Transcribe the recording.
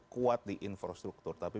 kuat di infrastruktur tapi